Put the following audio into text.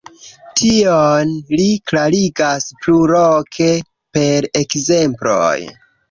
Tion li klarigas plurloke per ekzemploj.